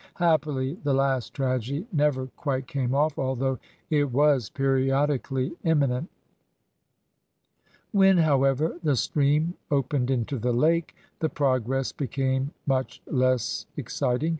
Happily, the last tragedy never quite came off, although it was periodically imminent. When, however, the stream opened into the lake, the progress became much less exciting.